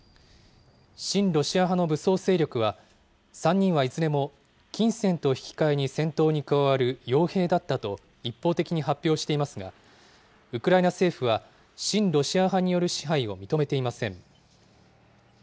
親ロシア派の武装勢力は３人はいずれも、金銭と引き換えに戦闘に加わるよう兵だったと、一方的に発表していますが、ウクライナ政府は親ロシア派による支配を認めていません。